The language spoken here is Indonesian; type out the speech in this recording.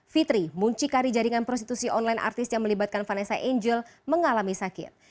fitri muncikari jaringan prostitusi online artis yang melibatkan vanessa angel mengalami sakit